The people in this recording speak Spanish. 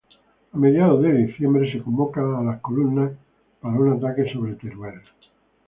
A mediados de diciembre se convoca a las columnas para un ataque sobre Teruel.